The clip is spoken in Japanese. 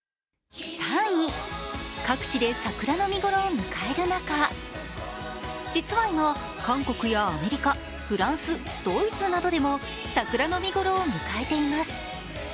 各地で桜の見頃を迎える中、実は今、韓国やアメリカ、フランスドイツなどでも桜の見頃を迎えています。